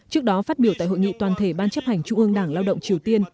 trước đó phát biểu tại hội nghị toàn thể ban chấp hành trung ương đảng lao động triều tiên